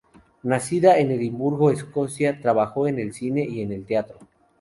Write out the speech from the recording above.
Nacida en Edimburgo, Escocia, trabajó en el cine y en el teatro.